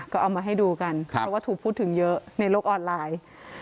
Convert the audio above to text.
ก็เอามาให้ดูกันเพราะว่าถูกพูดถึงเยอะในโลกออนไลน์